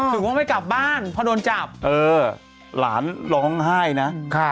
ถูกว่าไม่กลับบ้านพอโดนจับเออหลานร้องไห้นะครับ